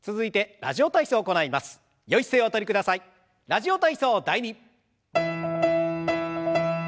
「ラジオ体操第２」。